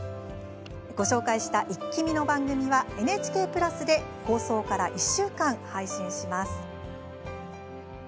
ご紹介した「イッキ見！」の番組はＮＨＫプラスで放送から１週間、配信します。